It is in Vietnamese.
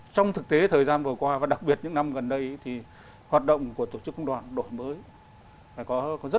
trong thực tế thời gian vừa qua và đặc biệt những năm gần đây thì hoạt động của tổ chức công đoàn đổi mới